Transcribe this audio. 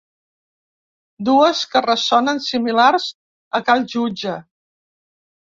Dues que ressonen similars a cal jutge.